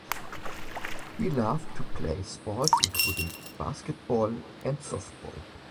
He loved to play sports including basketball and softball.